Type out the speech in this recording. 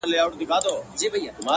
• زه نه سر لاری د کوم کاروان یم ,